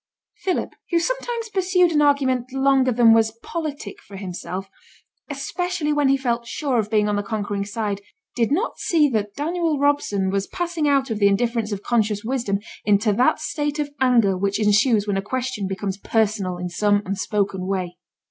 Philip, who sometimes pursued an argument longer than was politic for himself, especially when he felt sure of being on the conquering side, did not see that Daniel Robson was passing out of the indifference of conscious wisdom into that state of anger which ensues when a question becomes personal in some unspoken way.